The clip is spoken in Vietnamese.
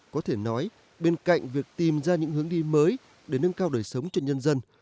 có thể nói bên cạnh việc tìm ra những hướng đi mới để nâng cao đời sống cho nhân dân